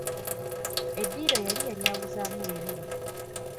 Eddiro yali yalyawuzaamu bibiri.